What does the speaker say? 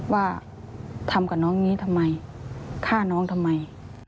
ว่าทำกับน้องนี้ทำไมฆ่าน้องทำไม